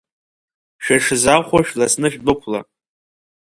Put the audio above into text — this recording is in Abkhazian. Шәышзахәо шәласны шәдәықәла.